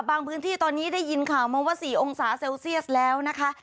พื้นที่ตอนนี้ได้ยินข่าวมาว่า๔องศาเซลเซียสแล้วนะคะ